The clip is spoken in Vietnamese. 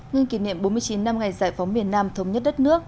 nhân kỷ niệm bốn mươi chín năm ngày giải phóng miền nam thống nhất đất nước